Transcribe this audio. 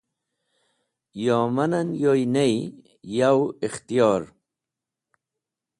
Yoman en yoy ney, yav ikhtiyor.